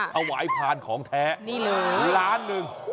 ถวายพาร์มของแท้๑๐๐๐๐๐๐บาท